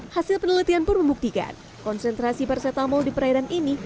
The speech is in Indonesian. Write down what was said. hasil penelitian pun membuktikan konsentrasi paracetamol di perairan ini